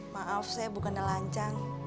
maaf saya bukan nelancang